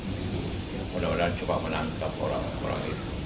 mudah mudahan coba menangkap orang orang itu